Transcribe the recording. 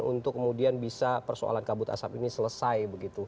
untuk kemudian bisa persoalan kabut asap ini selesai begitu